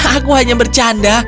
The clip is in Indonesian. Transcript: aku hanya bercanda